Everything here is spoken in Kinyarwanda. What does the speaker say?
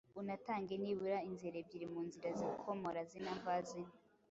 unatange nibura inzira ebyiri mu nzira z’ikomorazina mvazina